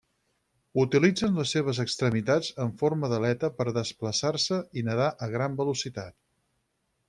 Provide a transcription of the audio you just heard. Utilitzen les seves extremitats en forma d'aleta per desplaçar-se i nedar a gran velocitat.